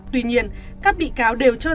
tuy nhiên các bị cáo đều chứng minh